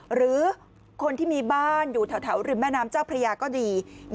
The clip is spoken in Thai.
หรือคนที่มีบ้านอยู่แถวริมแม่น้ำเจ้าพระยาก็ดี